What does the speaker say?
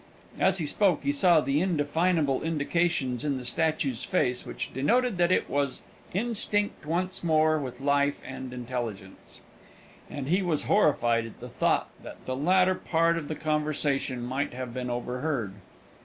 As he spoke he saw the indefinable indications in the statue's face which denoted that it was instinct once more with life and intelligence, and he was horrified at the thought that the latter part of the conversation might have been overheard.